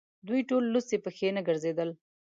دوی ټول لڅې پښې نه ګرځېدل.